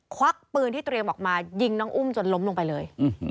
ควักปืนที่เตรียมออกมายิงน้องอุ้มจนล้มลงไปเลย